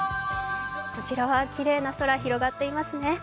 こちらはきれいな空が広がっていますね。